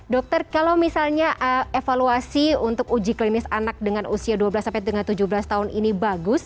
dokter kalau misalnya evaluasi untuk uji klinis anak dengan usia dua belas sampai dengan tujuh belas tahun ini bagus